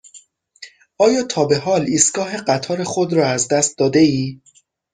آیا تا به حال ایستگاه قطار خود را از دست داده ای؟